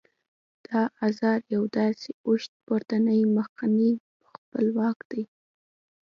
دا آواز یو داسې اوږد پورتنی مخنی خپلواک دی